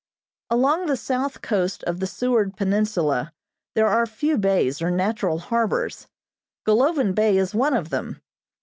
Along the south coast of the Seward Peninsula there are few bays or natural harbors. Golovin Bay is one of them.